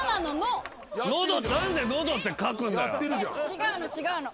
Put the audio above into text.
違うの違うの。